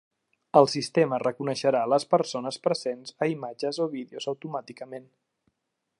El sistema reconeixerà les persones presents a imatges o vídeos automàticament.